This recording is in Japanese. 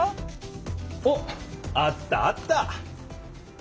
おっあったあった！